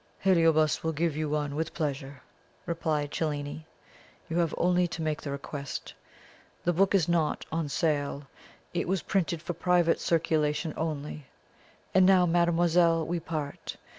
"Heliobas will give you one with pleasure," replied Cellini; "you have only to make the request. The book is not on sale. It was printed for private circulation only. And now, mademoiselle, we part.